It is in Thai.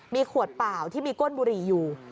มีขวดเปล่าที่มีก้นบุหรี่อยู่